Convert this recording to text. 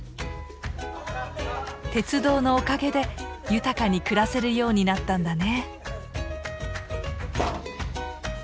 鉄道のおかげで豊かに暮らせるようになったんだね。